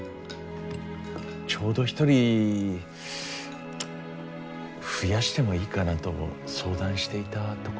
ちょうど一人増やしてもいいかなと相談していたところですし。